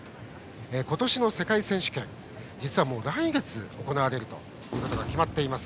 今年の世界選手権実はもう来月行われることが決まっています。